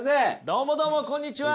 どうもどうもこんにちは！